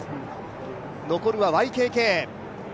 残るはＹＫＫ。